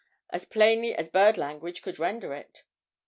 as plainly as bird language could render it.